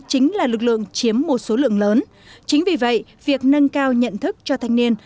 chính là lực lượng chiếm một số lượng lớn chính vì vậy việc nâng cao nhận thức cho thanh niên